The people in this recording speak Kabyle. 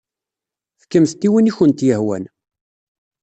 Fkemt-t i win i kent-yehwan.